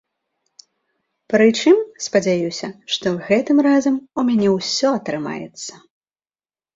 Прычым, спадзяюся, што гэтым разам у мяне ўсё атрымаецца.